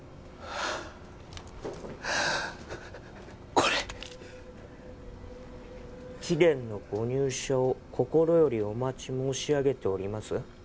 これ「貴殿のご入社を心よりお待ち申し上げております」